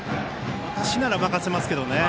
私なら任せますけどね。